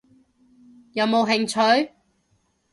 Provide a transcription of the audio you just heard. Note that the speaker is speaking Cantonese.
有冇興趣？